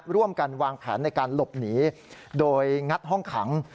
ร่วมกันวางแผนในการหลบหนีโดยงัดห้องขัง